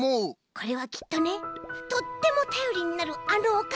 これはきっとねとってもたよりになるあのおかた。